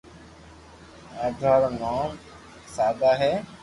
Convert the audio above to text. آٺوا رو نوم سآتا ھي